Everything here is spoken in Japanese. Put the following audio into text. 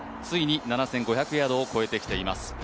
ついに７５００ヤードを超えてきています。